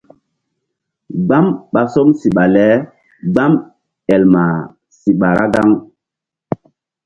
Gbam ɓa som siɓa le gbam ɓay el ma siɓa ra gaŋ.